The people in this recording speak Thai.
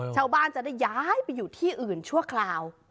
ชาวบ้านจะได้ย้ายไปอยู่ที่อื่นชั่วคราว